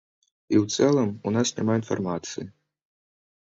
І ў цэлым, у нас няма інфармацыі.